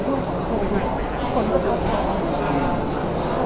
ภูมิกันภูมิแรง